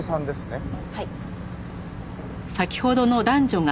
はい。